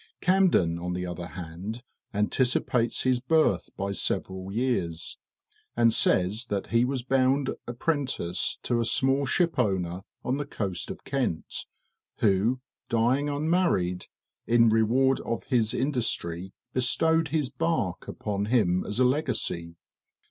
Camden, on the other hand, anticipates his birth by several years, and says that he was bound apprentice to a small shipowner on the coast of Kent, who, dying unmarried, in reward of his industry bestowed his bark upon him as a legacy.